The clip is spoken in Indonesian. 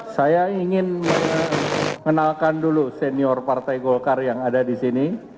saya ingin mengenalkan dulu senior partai golkar yang ada di sini